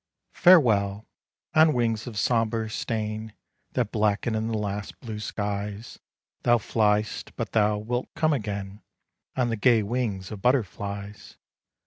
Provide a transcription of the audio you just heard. Farewell! on wings of sombre stain, That blacken in the last blue skies, Thou fly'st; but thou wilt come again On the gay wings of butterflies.